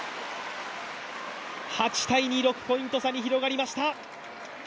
８−２、６ポイント差に広がりました。